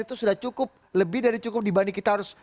itu sudah cukup lebih dari cukup dibanding kita harus